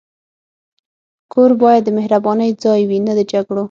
کور باید د مهربانۍ ځای وي، نه د جګړو.